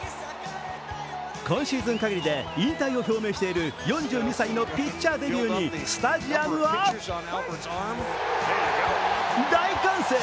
今シーズン限りで引退を表明している４２歳のピッチャーデビューにスタジアムは大歓声。